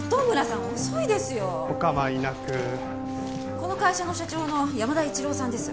この会社の社長の山田一郎さんです。